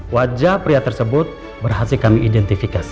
wajah pria tersebut berhasil kami identifikasi